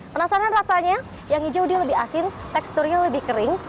penasaran rasanya yang hijau dia lebih asin teksturnya lebih kering